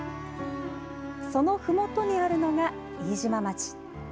そのふもとにあるのが飯島町。